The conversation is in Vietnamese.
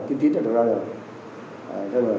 kinh tín đã được ra đời